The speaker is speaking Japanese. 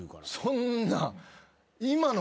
そんな。